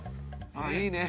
ああいいね。